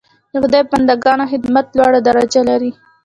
د خدای بنده ګانو خدمت لوړه درجه لري.